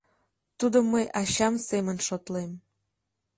— Тудым мый ачам семын шотлем».